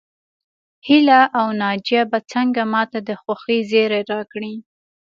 هيله او ناجيه به څنګه ماته د خوښۍ زيری راکړي